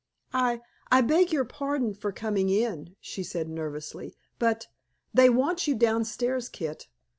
"I I beg your pardon for coming in," she said nervously. "But they want you downstairs, Kit.